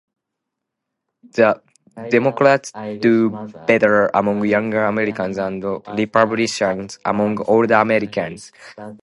The Democrats do better among younger Americans and Republicans among older Americans.